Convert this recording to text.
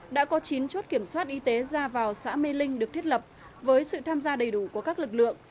đã có chín chốt kiểm soát y tế ra vào xã mê linh được thiết lập với sự tham gia đầy đủ của các lực lượng